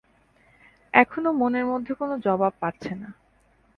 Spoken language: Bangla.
এখনো মনের মধ্যে কোনো জবাব পাচ্ছে না।